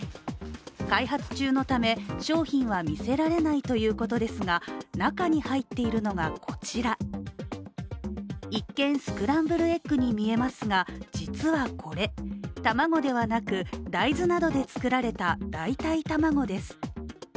開発中のため、商品は見せられないということですが、中に入っているのがこちら一見、スクランブルエッグに見えますが、実はこれ、卵ではなく大豆などで作られた代替卵です。